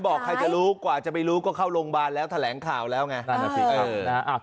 ไม่บอกใครจะรู้กว่าจะไปรู้ก็เข้าโรงพยาบาลแล้วแถลงข่าวแล้วไง